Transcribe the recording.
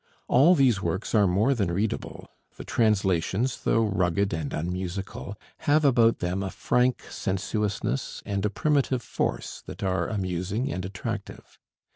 All these works are more than readable: the translations, though rugged and unmusical, have about them a frank sensuousness and a primitive force that are amusing and attractive.